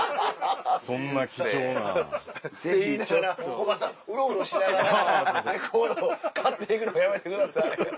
コバさんうろうろしながらレコード買っていくのやめてください。